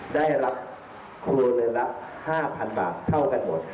ได้รับครูเดือนละ๕๐๐๐บาทเท่ากันหมด